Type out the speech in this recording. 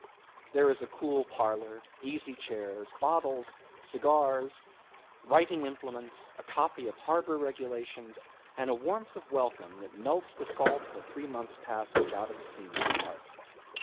There is a cool parlour, easy chairs, bottles, cigars, writing implements, a copy of harbour regulations, and a warmth of welcome that melts the salt of a three months' passage out of a seaman's heart.